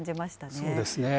そうですね。